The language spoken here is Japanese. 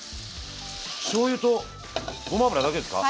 しょうゆとごま油だけですか？